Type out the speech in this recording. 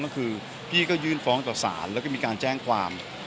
ก็คือพี่ก็ยื่นฟ้องต่อสารแล้วก็มีการแจ้งความ